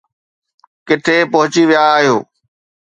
ڪٿي پهچي ويا آهيو؟